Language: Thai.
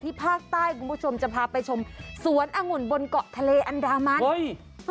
ภาคใต้คุณผู้ชมจะพาไปชมสวนองุ่นบนเกาะทะเลอันดามัน